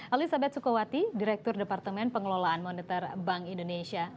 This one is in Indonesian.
elizabeth sukawati direktur departemen pengelolaan monitor bank indonesia